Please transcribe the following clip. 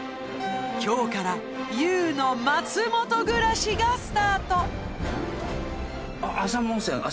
今日からＹＯＵの松本暮らしがスタート